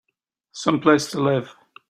Some place to live!